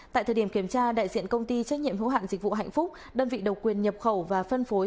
tại thời điểm kiểm tra đại diện công ty trách nhiệm hữu hạn dịch vụ hạnh phúc đơn vị độc quyền nhập khẩu và phân phối